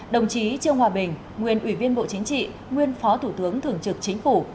đồng chí trương hòa bình nguyên ủy viên bộ chính trị nguyên phó thủ tướng thường trực chính phủ